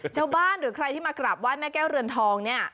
หรือใครที่มากราบไห้แม่แก้วเรือนทองเนี่ย